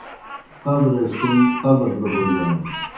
قبرے سم قبر دہ بوجانوْ